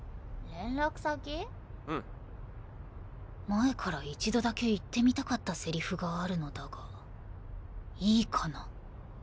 前から一度だけ言ってみたかったせりふがあるのだがいいかな？